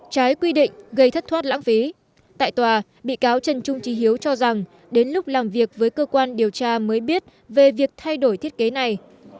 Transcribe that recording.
trái quy định gây thất thoát lãng phí tại tòa bị cáo trần trung trí hiếu cho rằng đến lúc làm việc với cơ quan điều tra mới biết về việc thay đổi thiết kế này